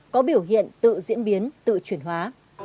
có biểu hiện tự diễn biến tự chuyển hóa